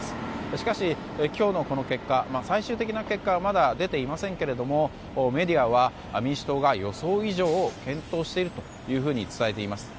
しかし、今日のこの結果最終的な結果はまだ出ていませんがメディアは民主党が予想以上健闘していると伝えています。